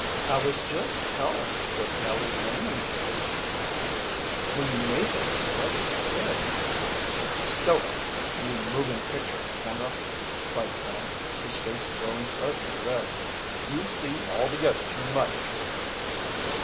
"I was just telling what Nellie Laning did, Tom. When you made that splendid kick " "Stow it, you moving picture camera!" cried Tom, his face growing suddenly red. "You see altogether too much."